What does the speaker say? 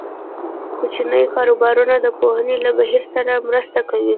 کوچني کاروبارونه د پوهنې له بهیر سره مرسته کوي.